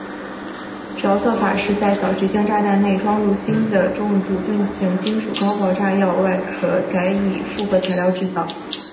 主要作法是在小直径炸弹内装入新的重度钝性金属高爆炸药外壳改以复合材料制造。